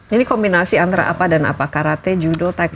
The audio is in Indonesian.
ini kombinasi antara apa dan apa karate judo technolo